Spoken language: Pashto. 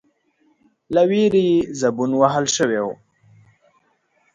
، له وېرې يې زبون وهل شوی و،